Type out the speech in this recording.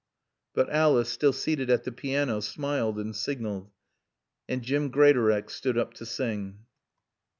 But Alice, still seated at the piano, smiled and signaled. And Jim Greatorex stood up to sing.